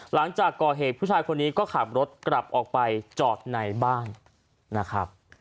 หลังจากก่อเหตุผู้ชายคนนี้ก็ขับรถกลับออกไปจอดในบ้านนะครับ